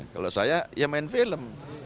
kalau saya ya main film